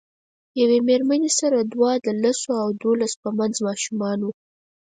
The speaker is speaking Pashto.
یوې میرمنې سره دوه د لسو او دولسو په منځ ماشومان وو.